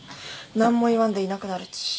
何も言わんでいなくなるち。